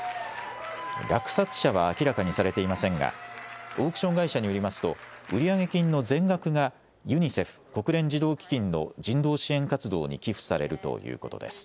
落札者は明らかにされていませんが、オークション会社によりますと、売上金の全額が、ＵＮＩＣＥＦ・国連児童基金の人道支援活動に寄付されるということです。